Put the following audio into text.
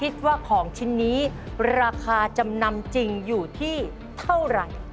ว่าของชิ้นนี้ราคาจำนำจริงอยู่ที่เท่าไหร่